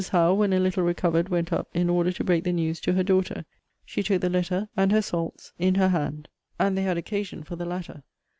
Howe, when a little recovered, went up, in order to break the news to her daughter. She took the letter, and her salts in her hand. And they had occasion for the latter.